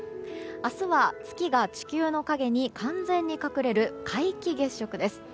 明日は月が地球の影に完全に隠れる皆既月食です。